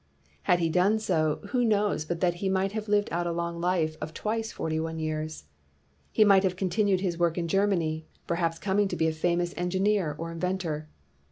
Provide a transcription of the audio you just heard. Had he done so, who knows but that he might have lived out a long life of twice forty one years. He might have continued his work in Germany, perhaps coming to be a famous engineer or inventor.